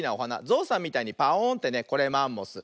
ゾウさんみたいにパオーンってねこれマンモス。